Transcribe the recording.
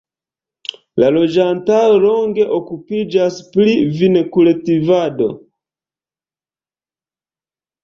La loĝantaro longe okupiĝas pri vinkultivado.